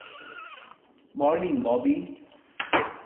Morning, Bobby!